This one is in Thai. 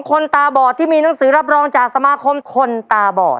คนตาบอดที่มีหนังสือรับรองจากสมาคมคนตาบอด